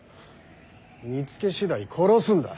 見つけ次第殺すんだ。